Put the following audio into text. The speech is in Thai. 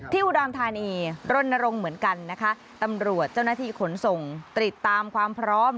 อุดรธานีรณรงค์เหมือนกันนะคะตำรวจเจ้าหน้าที่ขนส่งติดตามความพร้อม